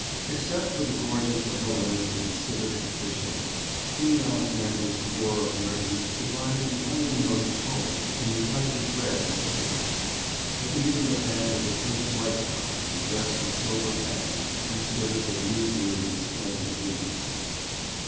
Except for the gorgeous habiliments of the civic officials, Queen Alexandra's corps of nurses provided the only note of colour in the touch of red at the capes; for even the band of the First Life Guards was dressed in sober khaki instead of their usually resplendent uniforms.